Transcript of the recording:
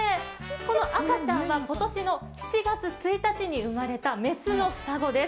この赤ちゃんは今年の７月１日に生まれた雌の双子です。